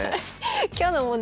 今日の問題